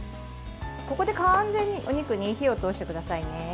ここで完全にお肉に火を通してくださいね。